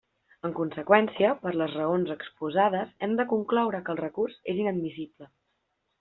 En conseqüència, per les raons exposades, hem de concloure que el recurs és inadmissible.